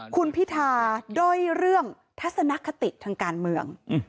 คุณพิธาด้อยเรื่องทัศนคติทางการเมือง